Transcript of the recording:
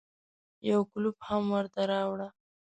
يو کولپ هم ورته راوړه.